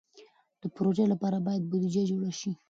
د پروژو لپاره باید بودیجه جوړه شي.